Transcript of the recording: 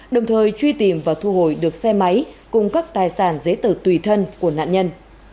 đồng thời truy tìm và thu hồi được xe máy cùng các tài sản giấy tờ tùy thân của nạn nhân